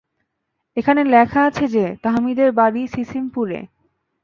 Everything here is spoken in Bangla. এখানে লেখা আছে যে তাহমিদের বাড়ি সিসিমপুরে।